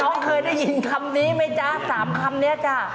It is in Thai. เคยได้ยินคำนี้ไหมจ๊ะ๓คำนี้จ้ะ